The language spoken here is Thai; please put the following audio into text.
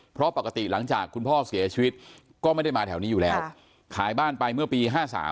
เพราะปกติหลังจากคุณพ่อเสียชีวิตก็ไม่ได้มาแถวนี้อยู่แล้วขายบ้านไปเมื่อปี๕๓